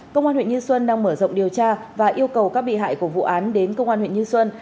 công an huyện như xuân đang mở rộng điều tra và yêu cầu các bị hại của vụ án đến công an huyện như xuân